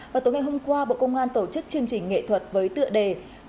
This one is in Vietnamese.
và tối ngày hôm qua bộ công an tổ chức chương trình nghệ thuật với tựa đề